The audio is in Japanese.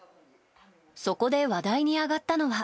そこで話題に上がったのは。